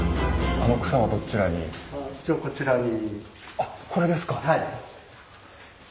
あっこれですか。